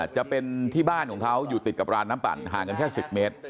จะเป็นที่บ้านของเขาอยู่ติดกับร้านน้ำปั่นห่างกันแค่๑๐เมตร